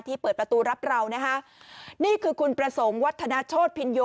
เปิดประตูรับเรานะคะนี่คือคุณประสงค์วัฒนาโชธพินโย